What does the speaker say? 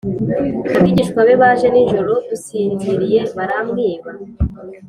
Abigishwa be baje nijoro dusinziriye baramwiba